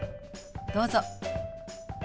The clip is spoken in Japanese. どうぞ。